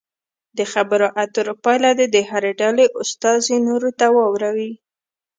د خبرو اترو پایله دې د هرې ډلې استازي نورو ته واوروي.